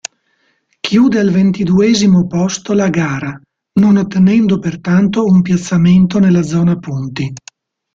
Chiude al ventiduesimo posto la gara, non ottenendo pertanto un piazzamento nella zona punti.